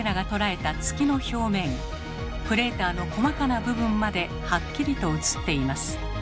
クレーターの細かな部分まではっきりと写っています。